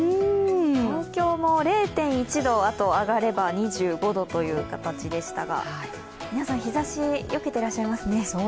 東京も０．１度上がれば２５度でしたが皆さん、日ざしよけていらっしゃいますね。